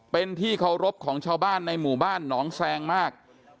เป็นที่เคารพของชาวบ้านในหมู่บ้านหนองแซงมาก